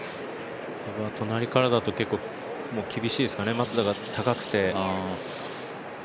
隣からだと、結構厳しいですかね、松が高くて。